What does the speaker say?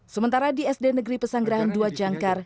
sementara di sd negeri pesanggerahan dua jangkar